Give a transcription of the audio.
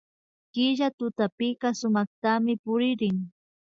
Killa tutapika sumaktami puririn